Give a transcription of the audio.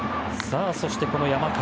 そしてこの山川。